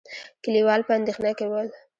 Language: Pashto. کليوال په اندېښنه کې ول.